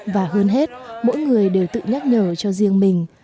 và hơn hết mỗi người đều tự nhắc nhở cho riêng mình